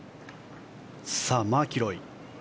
さあ、マキロイ。